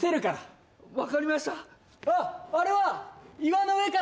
あっあれは！